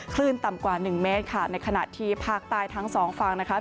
คลื่นต่ำกว่า๑เมตรในขณะที่ภาคใต้ทั้งสองฝั่ง